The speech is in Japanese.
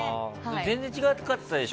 全然違かったでしょ。